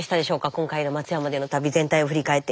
今回の松山での旅全体を振り返って。